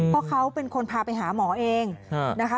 เพราะเขาเป็นคนพาไปหาหมอเองนะคะ